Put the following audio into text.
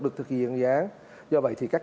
được thực hiện dự án do vậy thì các